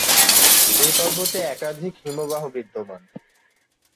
এই পর্বতে একাধিক হিমবাহ বিদ্যমান।